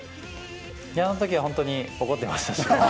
あの時は本当に怒ってました。